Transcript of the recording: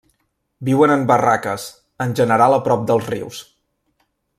Viuen en barraques, en general a prop dels rius.